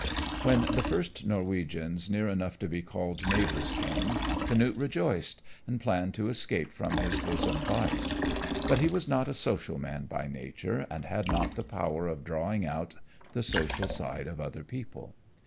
When the first Norwegians near enough to be called neighbors came, Canute rejoiced, and planned to escape from his bosom vice. But he was not a social man by nature and had not the power of drawing out the social side of other people.